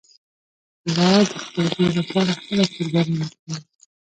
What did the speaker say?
پلار د خپل زوی لپاره هره قرباني ورکوي